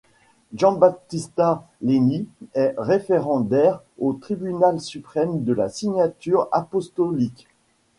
Giambattista Leni est référendaire au tribunal suprême de la Signature apostolique.